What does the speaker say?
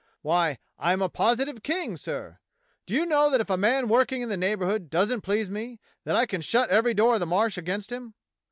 Why, I'm a positive king, sir. Do you know that if a man working in the neighbourhood doesn't please me, that I can shut every door of the Marsh against him?